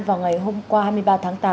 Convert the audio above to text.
vào ngày hôm qua hai mươi ba tháng tám